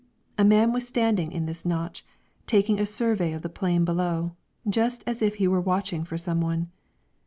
A man was standing in this notch, taking a survey of the plain below, just as if he were watching for some one.